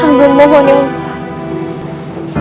amin mohon ya allah